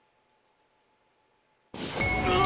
うわ！